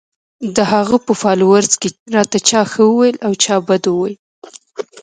د هغه پۀ فالوورز کښې راته چا ښۀ اووې او چا بد اووې